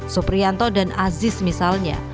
suprianto dan aziz misalnya